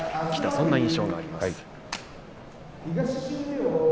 そんな印象があります。